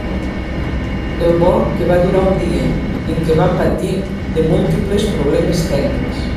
El vol, que va durar un dia, en què va patir de múltiples problemes tècnics.